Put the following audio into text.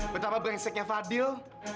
betapa brengseknya fadil